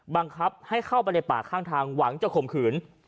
บังคับให้เข้าไปในป่าข้างทางหวังจะข่มขืน